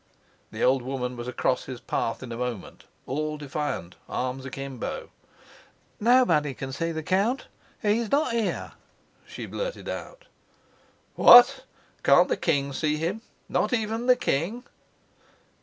The old woman was across his path in a moment, all defiant, arms akimbo. "Nobody can see the count. He's not here," she blurted out. "What, can't the king see him? Not even the king?"